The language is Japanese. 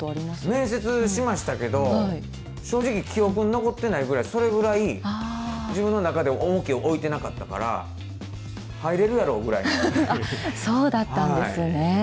面接しましたけど、正直、記憶に残ってないぐらい、それぐらい自分の中で重きを置いてなかったから、そうだったんですね。